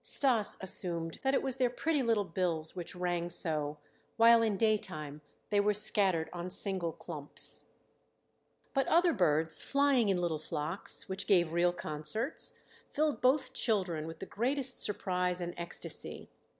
Stas assumed that it was their pretty little bills which rang so, while in daytime they were scattered on single clumps. But other birds flying in little flocks, which gave real concerts, filled both children with the greatest surprise and ecstasy.